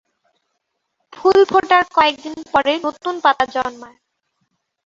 ফুল ফোটার কয়েকদিন পরে নতুন পাতা জন্মায়।